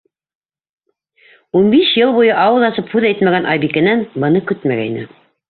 Ул биш йыл буйы ауыҙ асып һүҙ әйтмәгән Айбикәнән быны көтмәгәйне.